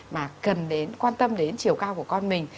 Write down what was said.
mà cần đến quan tâm đến chiều cao của con mình